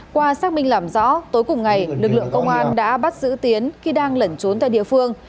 qua xác minh làm rõ tối cùng ngày lực lượng công an đã bắt giữ tiến khi đang lẩn trốn tại địa phương